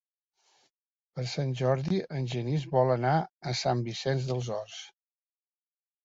Per Sant Jordi en Genís vol anar a Sant Vicenç dels Horts.